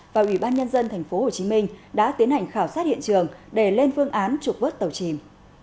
và ủy ban nhân dân tp hcm đã tiến hành khảo sát hiện trường để lên phương án trục vớt tàu chìm